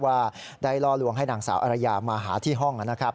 ว่าได้ล่อลวงให้นางสาวอรยามาหาที่ห้องนะครับ